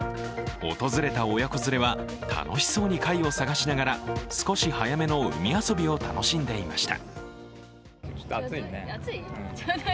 訪れた親子連れは楽しそうに貝を探しながら少し早めの海遊びを楽しんでいました。